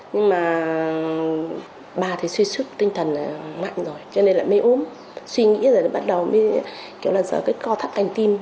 nhưng mà bà thì suy sức tinh thần mạnh rồi cho nên là mê ốm suy nghĩ rồi bắt đầu kiểu là sợ cái co thắt cành tim